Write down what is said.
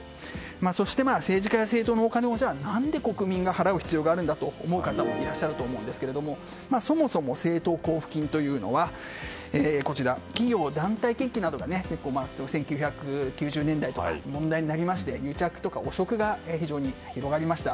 そして、政治家や政党のお金を何で、国民が払う必要があるんだと思う方もいらっしゃると思うんですけれどもそもそも、政党交付金というのは企業・団体献金というのが１９９０年代などに問題になりまして癒着とか汚職が非常に広がりました。